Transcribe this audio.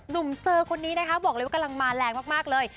เซอร์คนนี้นะคะบอกเลยว่ากำลังมาแรงมากเลย